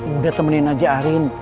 udah temenin aja arin